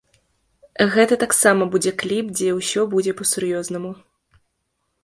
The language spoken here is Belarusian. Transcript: Гэта таксама будзе кліп, дзе ўсё будзе па-сур'ёзнаму.